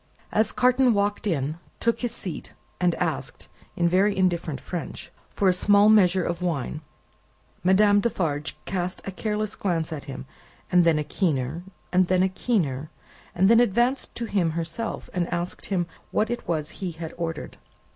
As Carton walked in, took his seat and asked (in very indifferent French) for a small measure of wine, Madame Defarge cast a careless glance at him, and then a keener, and then a keener, and then advanced to him herself, and asked him what it was he had ordered.